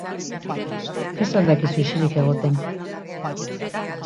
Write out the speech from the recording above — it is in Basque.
Ez al dakizu ixilik egoten?